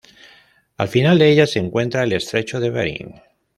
Al final de ella se encuentra el estrecho de bering.